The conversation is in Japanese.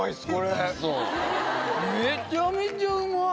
めちゃめちゃうまい！